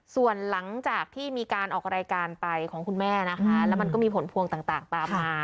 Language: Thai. ส่วนหลังจากที่มีการออกรายการไปของคุณแม่นะคะแล้วมันก็มีผลพวงต่างตามมา